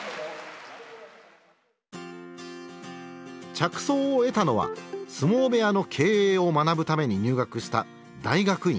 着想を得たのは相撲部屋の経営を学ぶために入学した大学院。